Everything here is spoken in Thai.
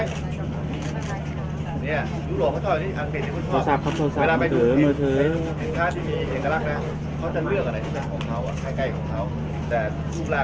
เมืองอัศวินธรรมดาคือสถานที่สุดท้ายของเมืองอัศวินธรรมดา